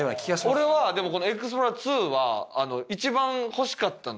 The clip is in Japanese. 俺はでもこのエクスプローラーⅡは一番欲しかったのよ